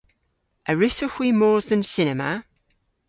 A wrussowgh hwi mos dhe'n cinema?